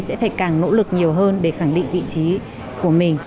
sẽ phải càng nỗ lực nhiều hơn để khẳng định vị trí của mình